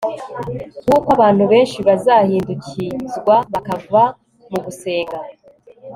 wuko abantu benshi bazahindukizwa bakava mu gusenga